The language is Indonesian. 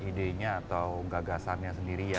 idenya atau gagasannya sendiri